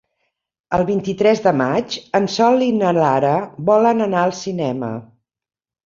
El vint-i-tres de maig en Sol i na Lara volen anar al cinema.